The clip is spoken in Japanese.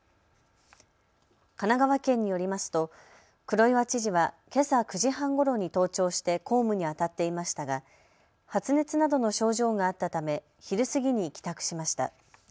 神奈川県によりますと黒岩知事はけさ９時半ごろに登庁して公務にあたっていましたが発熱などの症状があったため昼過ぎに帰宅しました。